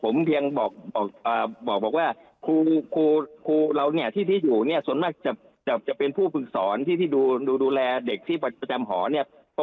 ผมเพียงบอกว่าคูละที่นี่อยู่ส่วนมากจะเป็นผู้ปฐึกษอนที่ดูดูแลเด็กที่ประจำหอเนี่ยแบบนั้นพี่แหละ